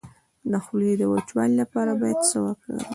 د خولې د وچوالي لپاره باید څه وکړم؟